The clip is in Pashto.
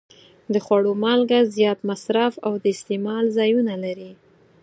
د خوړو مالګه زیات مصرف او د استعمال ځایونه لري.